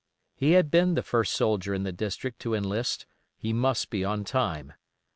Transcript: He had been the first soldier in the district to enlist, he must be on time.